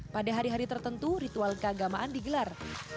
pada hari hari tertentu ritual keagamaan digelar